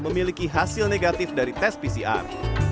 memiliki hasil negatif dari tes pcr